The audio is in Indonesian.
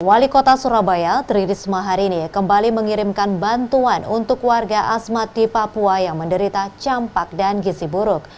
wali kota surabaya tririsma harini kembali mengirimkan bantuan untuk warga asmat di papua yang menderita campak dan gisi buruk